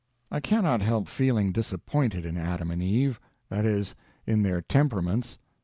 I cannot help feeling disappointed in Adam and Eve. That is, in their temperaments.